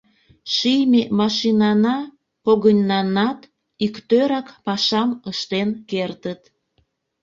Шийме машинана когыньнанат иктӧрак пашам ыштен кертыт.